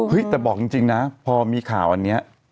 แต่บอกจริงนะพอมีข่าวอันนี้